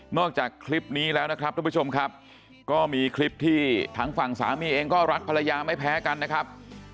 จากคลิปนี้แล้วนะครับทุกผู้ชมครับก็มีคลิปที่ทางฝั่งสามีเองก็รักภรรยาไม่แพ้กันนะครับ